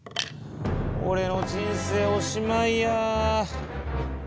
おれの人生おしまいや！